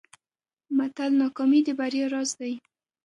متل: ناکامي د بریا راز دی.